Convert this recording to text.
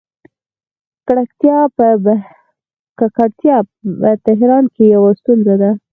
ککړتیا په تهران کې یوه ستونزه ده.